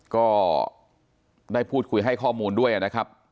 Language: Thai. ก็ได้พูดคุยให้ข้อมูลด้วยนะครับ